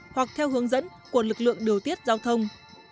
hoặc theo hướng dẫn của lực lượng điều tiết giao thông